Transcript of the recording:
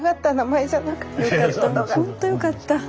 よかった。